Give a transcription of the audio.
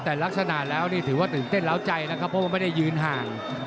แต่ลักษณะแล้วนี่ถือว่าตื่นเต้นแล้วใจนะครับเพราะว่าไม่ได้ยืนห่าง